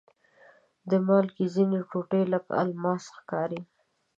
د مالګې ځینې ټوټې لکه الماس ښکاري.